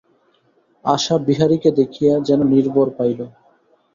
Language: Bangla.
আশা বিহারীকে দেখিয়া যেন নির্ভর পাইল।